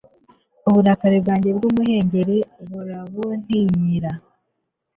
uburakari bwanjye bw'umuhengeri barabuntinyira